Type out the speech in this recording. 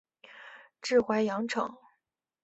治淮阳城。